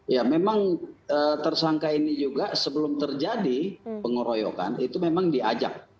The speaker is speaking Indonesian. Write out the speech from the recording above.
ya memang tersangka ini juga sebelum terjadi pengeroyokan itu memang diajak